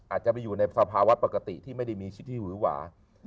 อาจจะไปอยู่ในสภาวะปกติที่ไม่ได้มีชิดที่หือหวา